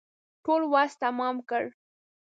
ټول وس تمام کړ.